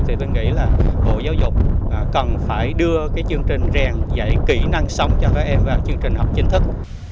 thì tôi nghĩ là bộ giáo dục cần phải đưa cái chương trình rèn dạy kỹ năng sống cho các em vào chương trình học chính thức